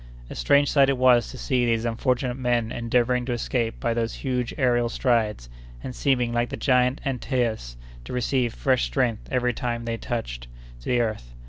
A strange sight it was to see these unfortunate men endeavoring to escape by those huge aërial strides, and seeming, like the giant Antaeus, to receive fresh strength every time they touched the earth.